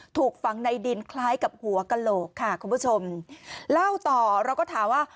ถูกฝังในดินคล้ายกับหัวกระโหลกค่ะคุณผู้ชมเล่าต่อเราก็ถามว่า